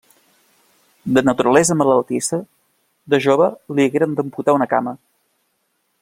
De naturalesa malaltissa, de jove li hagueren d'amputar una cama.